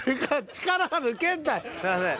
すいません。